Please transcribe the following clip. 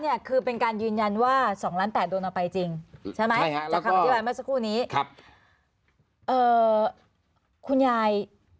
เนี่ยคือเป็นการยืนยันว่า๒ล้าน๘โดนเอาไปจริงใช่ไหมแล้วคุณยาย